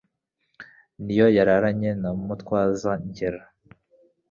Ni yo yararanye na Mutwaza-ngeri